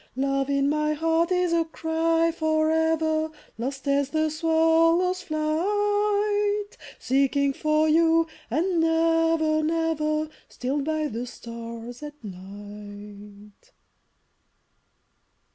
Love in my heart is a cry forever Lost as the swallow's flight, Seeking for you and never, never Stilled by the stars at night.